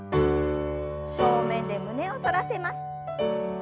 正面で胸を反らせます。